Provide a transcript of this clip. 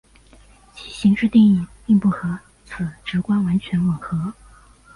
其形式定义并不和此直观完全吻合。